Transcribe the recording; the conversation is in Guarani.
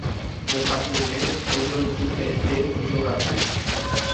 Mbohapyve ojoypypete ojogapo.